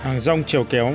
hàng rong trèo kéo